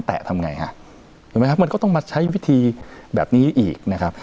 ที่จะมาใช้วิธีแบบนี้อีกนะครับ